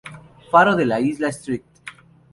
Faro de la isla St.